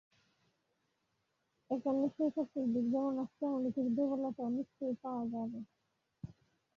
এখানে সেই শক্তির দিক যেমন আছে, তেমনি কিছু দুর্বলতাও নিশ্চয়ই পাওয়া যাবে।